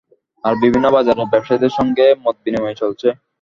আর বিভিন্ন বাজারের ব্যবসায়ীদের সঙ্গে মতবিনিময় চলছে।